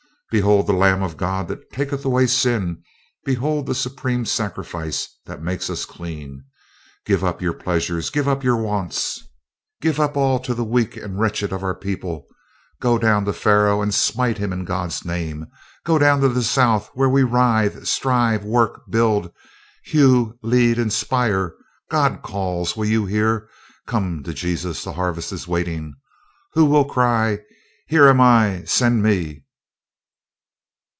"Behold the Lamb of God that taketh away sin. Behold the Supreme Sacrifice that makes us clean. Give up your pleasures; give up your wants; give up all to the weak and wretched of our people. Go down to Pharaoh and smite him in God's name. Go down to the South where we writhe. Strive work build hew lead inspire! God calls. Will you hear? Come to Jesus. The harvest is waiting. Who will cry: 'Here am I, send me!'"